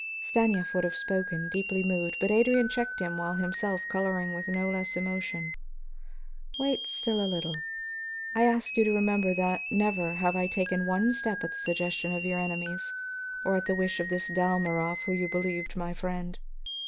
'" Stanief would have spoken, deeply moved, but Adrian checked him while himself coloring with no less emotion. "Wait still a little. I ask you to remember that never have I taken one step at the suggestion of your enemies or at the wish of this Dalmorov whom you believed my friend.